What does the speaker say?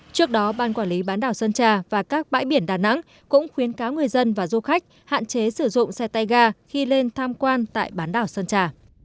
trước đó ban quản lý bán đảo sơn trà và các bãi biển đà nẵng cũng khuyến cáo người dân và du khách hạn chế sử dụng xe tay ga khi lên tham quan tại bán đảo sơn trà